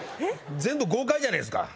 全部豪快じゃないですか。